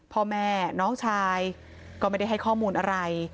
พ่อแม่น้องชายก็ไม่ได้ให้ข้อมูลอะไร